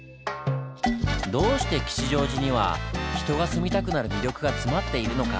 どうして吉祥寺には人が住みたくなる魅力が詰まっているのか？